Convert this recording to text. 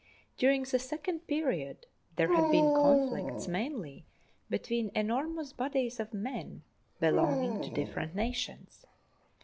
During the second period there had been conflicts mainly between enormous bodies of men belonging to different nations.